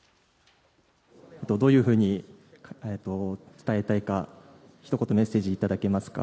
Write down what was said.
どういうふうに伝えたいか、ひと言、メッセージ頂けますか。